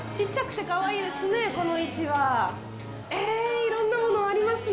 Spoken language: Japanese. いろんなものありますね。